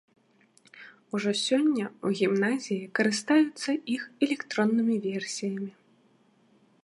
Ужо сёння ў гімназіі карыстаюцца іх электроннымі версіямі.